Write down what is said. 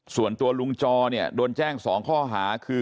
ส่วนตัวลุงจอเนี่ยโดนแจ้ง๒ข้อหาคือ